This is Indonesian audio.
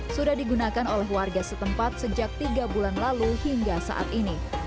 sudah digunakan oleh warga setempat sejak tiga bulan lalu hingga saat ini